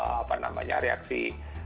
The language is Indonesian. apa namanya reaksi